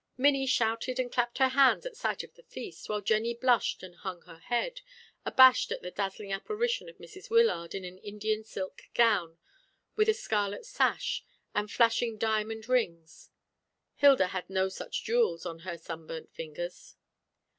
Minnie shouted and clapped her hands at sight of the feast, while Jennie blushed and hung her head, abashed at the dazzling apparition of Mrs. Wyllard in an Indian silk gown with a scarlet sash, and flashing diamond rings. Hilda had no such jewels on her sunburnt fingers.